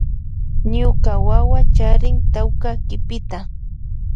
Ñuka wawa charin tawka kipita.